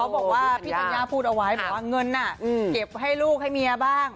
บอกว่าพี่ธัญญาพูดเอาไว้บอกว่าเงินเก็บให้ลูกให้เมียบ้าง